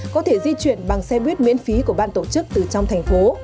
có thể di chuyển bằng xe buýt miễn phí của ban tổ chức từ trong thành phố